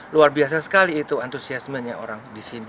luar biasa sekali itu antusiasmenya orang di sini